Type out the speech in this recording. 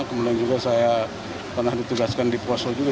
kemudian juga saya pernah ditugaskan di poso juga